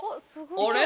あれ？